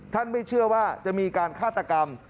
ไม่เชื่อว่าจะมีการฆาตกรรม